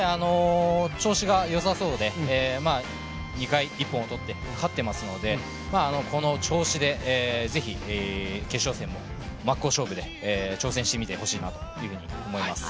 調子がよさそうで、２回、一本を取って勝ってますのでこの調子でぜひ決勝戦も真っ向勝負で挑戦してみてほしいなと思います。